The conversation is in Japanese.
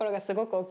すごい。